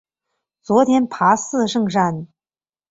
昨天爬四圣山